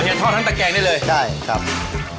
อ๋อเฮียทอดทั้งตะแกงได้เลยใช่ครับ